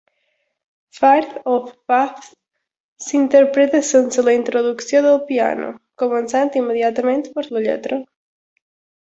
"Firth of Fifth" s'interpreta sense la introducció del piano, començant immediatament per la lletra.